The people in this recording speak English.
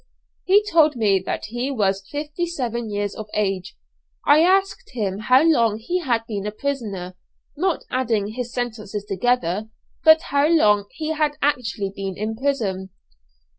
He told me that he was fifty seven years of age. I asked him how long he had been a prisoner, not adding his sentences together, but how long he had actually been in prison.